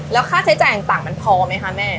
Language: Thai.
แล้วค่าใช้จ่ายต่างมันพอไหมคะแม่